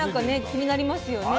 気になりますよね。